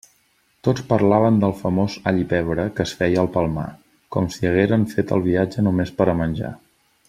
Tots parlaven del famós allipebre que es feia al Palmar, com si hagueren fet el viatge només per a menjar.